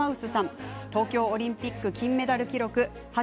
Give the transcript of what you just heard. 東京オリンピック金メダル記録